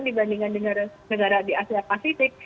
dibandingkan negara di asia pasifik